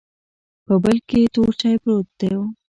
په بل کې تور چاې پروت و.